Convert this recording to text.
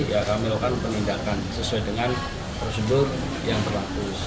ya kami lakukan penindakan sesuai dengan prosedur yang berlaku